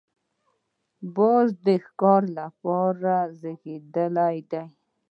باز د ښکار لپاره زېږېدلی دی